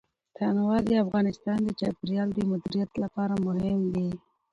تنوع د افغانستان د چاپیریال د مدیریت لپاره مهم دي.